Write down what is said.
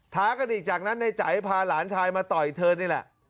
ท้ากันอีกจากนั้นในใจพาหลานชายมาต่อยเธอนี่แหละ